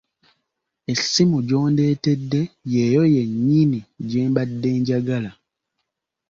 Essimu gy'ondeetedde yeyo yennyini gye mbadde njagala.